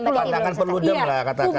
pandangan peludem lah katakan